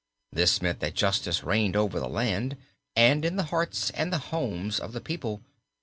This meant that justice reigned over the land and in the hearts and the homes of the people.